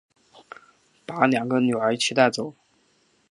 把两个女儿一起带走